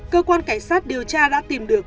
cơ quan cảnh sát điều tra đã tìm được